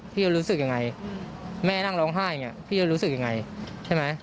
พี่จะรู้สึกอย่างไรแม่นั่งร้องไห้พี่จะรู้สึกอย่างไรใช่ไหม